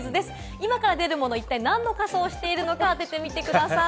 今から出るものが一体何の仮装をしているのか当ててみてください。